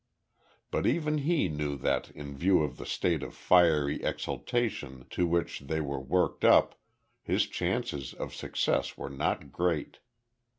But even he knew that in view of the state of fiery exaltation to which they were worked up, his chances of success were not great.